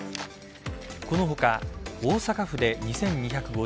この他、大阪府で２２５３人